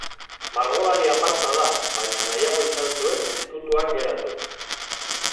Margolari aparta da, baina nahiago izan zuen ezkutuan geratu.